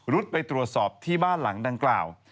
รุดไปตรวจสอบที่บ้านหลังดังกล่าว